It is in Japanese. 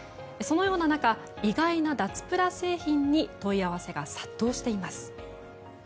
そのような中意外な脱プラ製品に問い合わせが殺到しています。